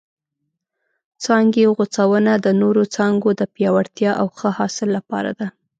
څانګې غوڅونه د نورو څانګو د پیاوړتیا او ښه حاصل لپاره ده.